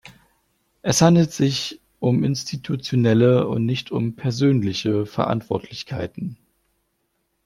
Es handelt sich um institutionelle und nicht um persönliche Verantwortlichkeiten.